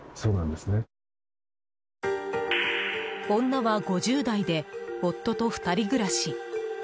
女は５０代で夫と２人暮らし。